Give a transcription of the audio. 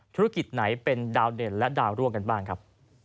ธุรกิจไหนเป็นดาวเด่นและดาวร่วงกันบ้างครับ